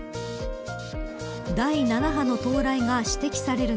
第７波の到来が指摘される